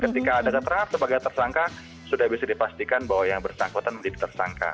ketika ada keterangan sebagai tersangka sudah bisa dipastikan bahwa yang bersangkutan menjadi tersangka